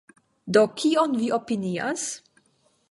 Do kion vi opinias?